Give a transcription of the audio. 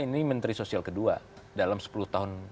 ini menteri sosial kedua dalam sepuluh tahun